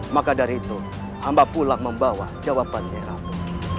maka dari itu amba pulang membawa jawabannya ratu